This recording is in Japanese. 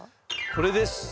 これです。